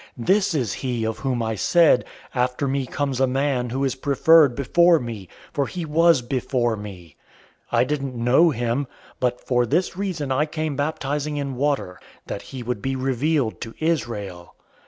001:030 This is he of whom I said, 'After me comes a man who is preferred before me, for he was before me.' 001:031 I didn't know him, but for this reason I came baptizing in water: that he would be revealed to Israel."